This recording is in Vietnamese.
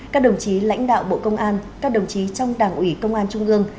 các đồng chí lãnh đạo bộ công an các đồng chí trong đảng ủy công an trung ương